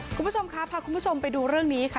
คุณผู้ชมครับพาคุณผู้ชมไปดูเรื่องนี้ค่ะ